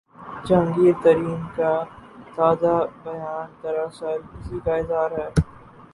جہانگیر ترین کا تازہ بیان دراصل اسی کا اظہار ہے۔